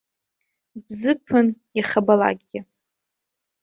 Бзыԥын иахьабалакгьы.